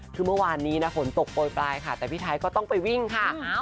คือเมื่อวานนี้นะฝนตกโปรยปลายค่ะแต่พี่ไทยก็ต้องไปวิ่งค่ะ